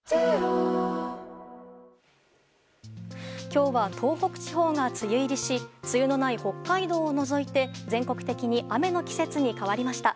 今日は東北地方が梅雨入りし梅雨のない北海道を除いて全国的に雨の季節に変わりました。